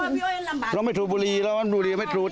มันลำบากเราไม่ถูกบุรีเราไม่ถูกจริงเราบอกไงบ้าง